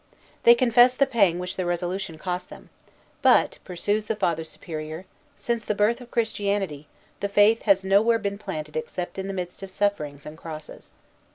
They confess the pang which the resolution cost them; but, pursues the Father Superior, "since the birth of Christianity, the Faith has nowhere been planted except in the midst of sufferings and crosses.